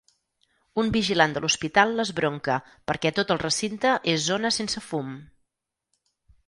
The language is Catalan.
Un vigilant de l'hospital l'esbronca perquè tot el recinte és zona sense fum.